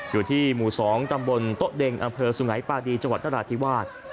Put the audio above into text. อยู่ที่หมู่๒ตำบลโต๊ะเด็งอำเภอสุงัยปาดีจังหวัดนราธิวาส